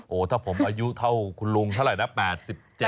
โหถ้าผมอายุเท่าคุณลุงเท่าไหร่เนี่ย๘๗